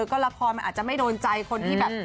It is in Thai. ก็ละครมันอาจจะไม่โดนใจคนที่แบบ